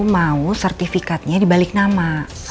mau sertifikatnya dibalik nama